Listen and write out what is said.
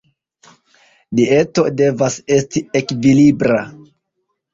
Dieto devas esti ekvilibra.